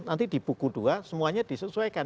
nanti di buku dua semuanya disesuaikan